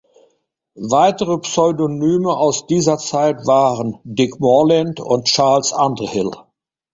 Weitere Pseudonyme aus dieser Zeit waren "Dick Morland" und "Charles Underhill".